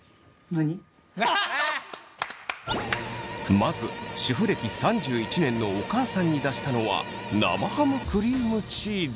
まず主婦歴３１年のお母さんに出したのは生ハムクリームチーズ。